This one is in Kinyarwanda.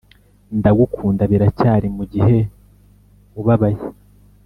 ndagukunda biracyari mugihe ubabaye